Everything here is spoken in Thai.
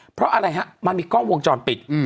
เพราะอะไรฮะมันมีกล้องวงจรปิด